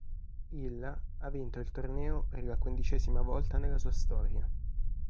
Il ha vinto il torneo per la quindicesima volta nella sua storia.